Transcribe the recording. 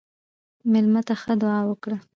مېلمه ته ښه دعا وکړه.